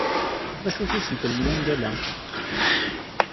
D acu-t usentel n wungal-a?